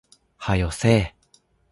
早よせえ